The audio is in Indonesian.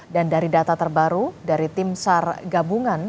dari data terbaru dari tim sar gabungan